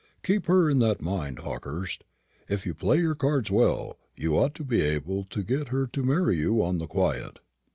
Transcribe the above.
Keep her in that mind, Hawkehurst. If you play your cards well, you ought to be able to get her to marry you on the quiet."